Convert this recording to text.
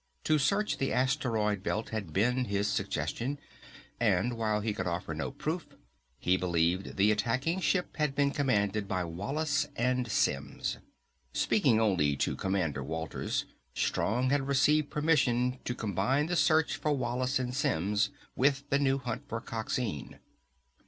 To search the asteroid belt had been his suggestion, and while he could offer no proof, he believed the attacking ship had been commanded by Wallace and Simms. Speaking only to Commander Walters, Strong had received permission to combine the search for Wallace and Simms, with the new hunt for Coxine.